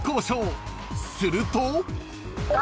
［すると］